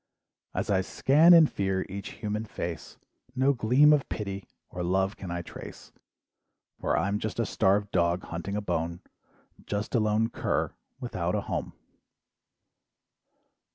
"As I scan in fear, each human face, "No gleam of pity or love can I trace, "For I'm just a starved dog hunting a bone, "Just a lone "cur" without a home.